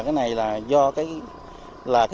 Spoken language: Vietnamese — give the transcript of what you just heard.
cái này là do cái